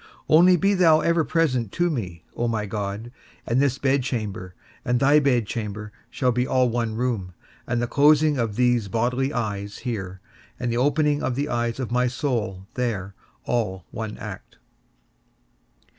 Only be thou ever present to me, O my God, and this bedchamber and thy bedchamber shall be all one room, and the closing of these bodily eyes here, and the opening of the eyes of my soul there, all one act.